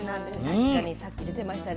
確かにさっき出てましたね。